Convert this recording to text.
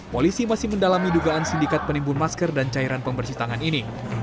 polisi masih mendalami dugaan sindikat penimbun masker dan cairan pembersih tangan ini